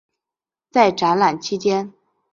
在展览期间。